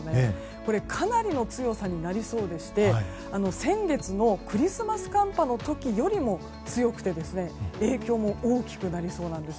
これ、かなりの強さになりそうでして先月のクリスマス寒波の時よりも強くて影響も大きくなりそうなんです。